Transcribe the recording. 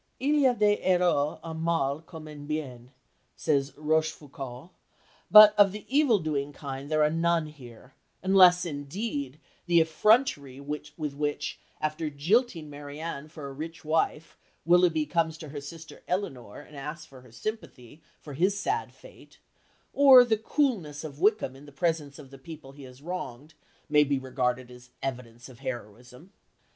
"Il y a des héros en mal comme en bien," says Rochefoucauld, but of the evil doing kind there are none here, unless, indeed, the effrontery with which, after jilting Marianne for a rich wife, Willoughby comes to her sister Elinor and asks for her sympathy for his sad fate, or the coolness of Wickham in the presence of the people he has wronged may be regarded as evidence of heroism.